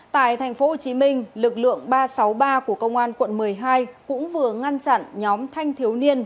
tại thành phố hồ chí minh lực lượng ba trăm sáu mươi ba của công an quận một mươi hai cũng vừa ngăn chặn nhóm thanh thiếu niên